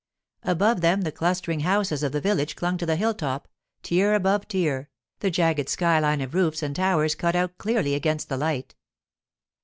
Above them the clustering houses of the village clung to the hilltop, tier above tier, the jagged sky line of roofs and towers cut out clearly against the light.